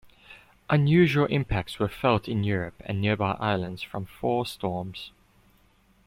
Unusual impacts were felt in Europe and nearby islands from four storms.